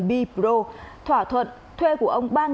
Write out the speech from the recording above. bipro thỏa thuận thuê của ông